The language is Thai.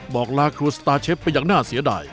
บอกลาครัวสตาร์เชฟไปอย่างน่าเสียดาย